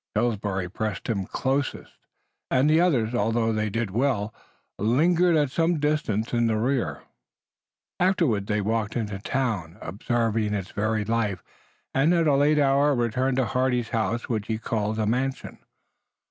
Pillsbury pressed him closest, and the others, although they did well, lingered at some distance in the rear. Afterward they walked in the town, observing its varied life, and at a late hour returned to Hardy's house which he called a mansion.